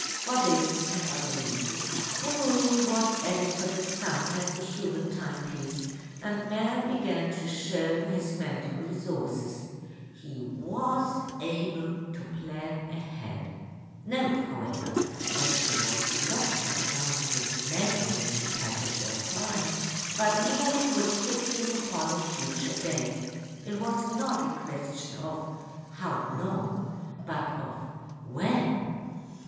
For this and other reasons, the moon was added to the sun as a human timepiece, and man began to show his mental resources—he was able to plan ahead. Note, however, that he was not concerned with measuring the passage of time, but merely with fixing upon a future date; it was not a question of how long but of when.